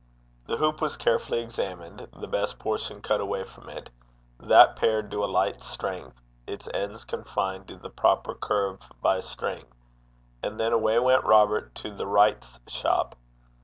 The hoop was carefully examined, the best portion cut away from it, that pared to a light strength, its ends confined to the proper curve by a string, and then away went Robert to the wright's shop.